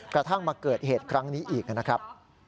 กระทั่งมาเกิดเหตุครั้งนี้อีกนะครับ